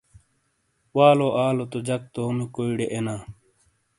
والو آلو تو جک تومی کُویئڑے اینا۔